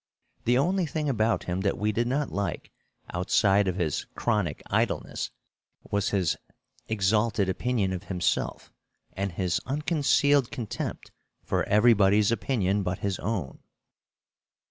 The only thing about him that we did not like, outside of his chronic idleness, was his exalted opinion of himself and his unconcealed contempt for everybody's opinion but his own.